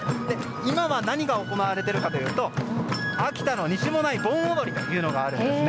今は何が行われているかというと秋田の西馬音内盆踊りというのがあるんですね。